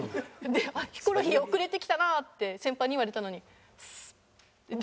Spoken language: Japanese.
「ヒコロヒー遅れて来たな」って先輩に言われたのに「ウッス」。